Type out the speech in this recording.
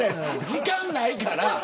時間ないから。